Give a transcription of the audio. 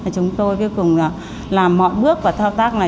chúng tôi cuối cùng là làm mọi bước và thao tác này